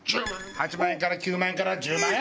８万円から９万円から１０万円！